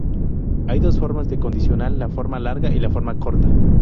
Hay dos formas de condicional, la forma larga y la forma corta.